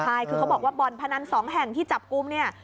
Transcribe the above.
ใช่คือเขาบอกว่าบ่อนพนัน๒แห่งที่จับกลุ่มเนี่ย